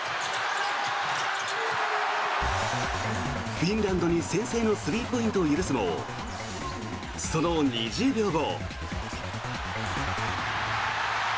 フィンランドに先制のスリーポイントを許すもその２０秒後。